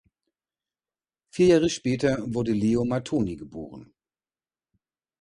Vier Jahre später wurde Leo Mattoni geboren.